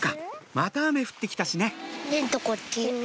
また雨降って来たしねテントこっち。